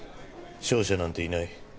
勝者なんていない。